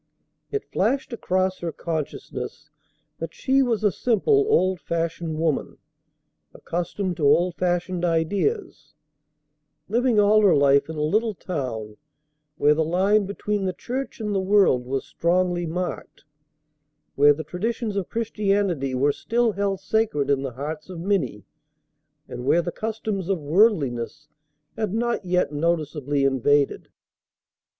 It flashed across her consciousness that she was a simple, old fashioned woman, accustomed to old fashioned ideas, living all her life in a little town where the line between the church and the world was strongly marked, where the traditions of Christianity were still held sacred in the hearts of many and where the customs of worldliness had not yet noticeably invaded.